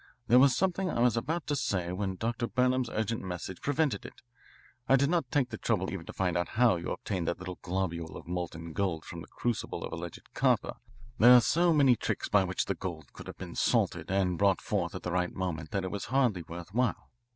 "There was something I was about to say when Dr. Burnham's urgent message prevented it. I did not take the trouble even to find out how you obtained that little globule of molten gold from the crucible of alleged copper. There are so many tricks by which the gold could have been 'salted' and brought forth at the right moment that it was hardly worth while.